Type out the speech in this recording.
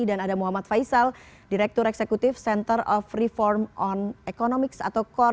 dan ada muhammad faisal direktur eksekutif center of reform on economics atau kor